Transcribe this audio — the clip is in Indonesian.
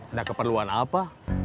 ada keperluan apa